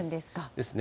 ですね。